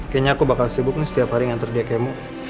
kayaknya aku bakal sibuk nih setiap hari nganter dia kemu